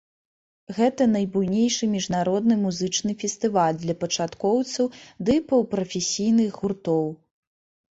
Гэта найбуйнейшы міжнародны музычны фестываль для пачаткоўцаў ды паўпрафесійных гуртоў.